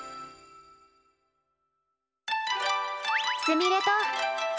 すみれと。